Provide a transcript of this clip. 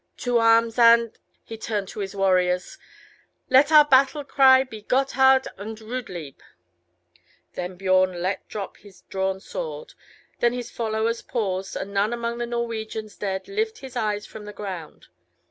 To arms, and " (he turned to his warriors) "let our battle cry be Gotthard and Rudlieb!" Then Biorn let drop his drawn sword, then his followers paused, and none among the Norwegians dared lift his eyes from the ground.